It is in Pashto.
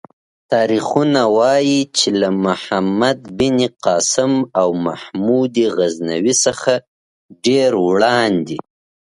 تاریخونه وايي چې له محمد بن قاسم او محمود غزنوي څخه ډېر وړاندې.